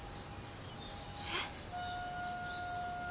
えっ。